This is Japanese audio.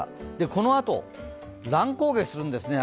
このあと乱高下するんですよね。